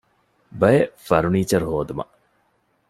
ބައެއް ފަރުނީޗަރު ހޯދުމަށް